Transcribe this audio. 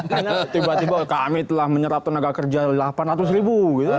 karena tiba tiba kami telah menyerap tenaga kerja delapan ratus ribu